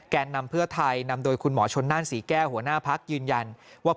นำเพื่อไทยนำโดยคุณหมอชนนั่นศรีแก้หัวหน้าพักยืนยันว่า